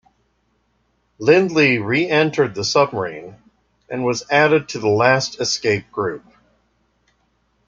Lindley reentered the submarine, and was added to the last escape group.